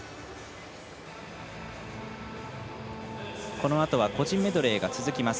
このあとは個人メドレーが続きます。